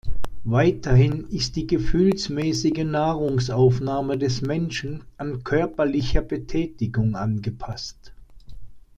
Weiterhin ist die gefühlsmäßige Nahrungsaufnahme des Menschen an körperlicher Betätigung angepasst.